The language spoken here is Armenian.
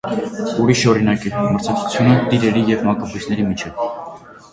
Ուրիշ օրինակ է «մրցակցությունը» տերերի և մակաբույծների միջև։